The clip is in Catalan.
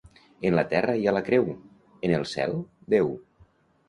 En la terra hi ha la creu; en el cel, Déu.